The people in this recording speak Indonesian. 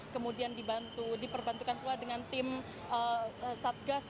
kemudian diperbantukan pula dengan tim satgas